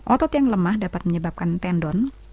otot yang lemah dapat menyebabkan tendon